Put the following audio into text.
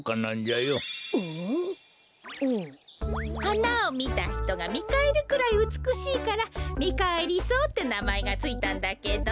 はなをみたひとがみかえるくらいうつくしいからミカエリソウってなまえがついたんだけど。